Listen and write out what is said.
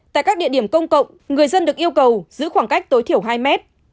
tại các địa điểm công cộng người dân được yêu cầu giữ khoảng cách tối thiểu hai mét